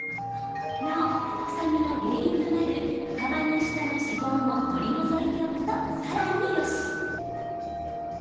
なお、臭みの原因となる皮の下の脂肪も取り除いておくとさらに、よし。